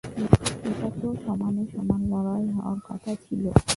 এটা তো সমানে-সমান লড়াই হওয়ার কথা ছিল।